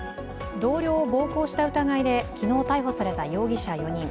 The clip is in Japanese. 同僚を暴行した疑いで昨日逮捕された容疑者４人。